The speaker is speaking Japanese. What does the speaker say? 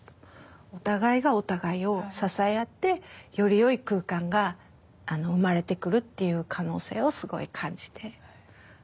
お互いがお互いを支え合ってよりよい空間が生まれてくるっていう可能性をすごい感じて。